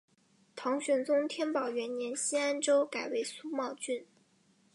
唐玄宗天宝元年新安州改为苏茂郡。